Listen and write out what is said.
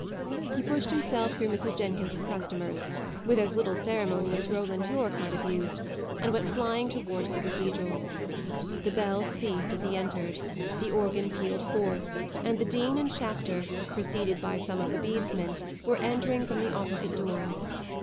He pushed himself through Mrs. Jenkins's customers, with as little ceremony as Roland Yorke might have used, and went flying towards the cathedral. The bell ceased as he entered. The organ pealed forth; and the dean and chapter, preceded by some of the bedesmen, were entering from the opposite door.